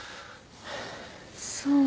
そう。